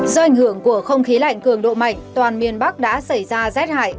do ảnh hưởng của không khí lạnh cường độ mạnh toàn miền bắc đã xảy ra rét hại